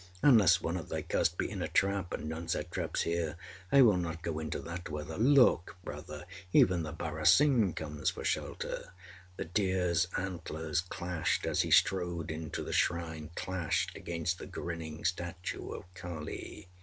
âUnless one of thy caste be in a trap and none set traps here I will not go into that weather. Look, Brother, even the barasingh comes for shelter!â The deerâs antlers clashed as he strode into the shrine, clashed against the grinning statue of Kali.